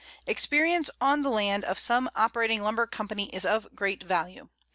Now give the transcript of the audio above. Experience on the land of some operating lumber company is of great value.